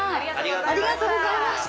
ありがとうございます。